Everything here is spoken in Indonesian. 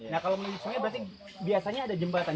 nah kalau sungai berarti biasanya ada jembatan